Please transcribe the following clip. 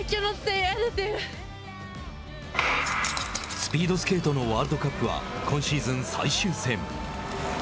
スピードスケートのワールドカップは今シーズン最終戦。